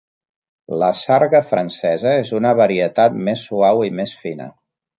La sarga francesa és una varietat més suau i més fina.